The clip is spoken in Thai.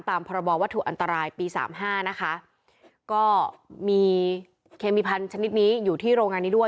พรบวัตถุอันตรายปีสามห้านะคะก็มีเคมีพันธนิดนี้อยู่ที่โรงงานนี้ด้วย